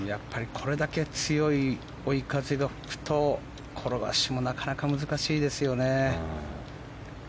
これだけ強い追い風が吹くと転がしもなかなか難しいですよね。